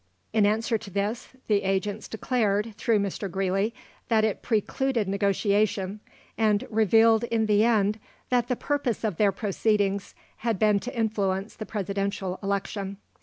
In answer to this, the agents declared, through Mr. Greeley, that it precluded negotiation, and revealed in the end that the purpose of their proceedings had been to influence the Presidential election.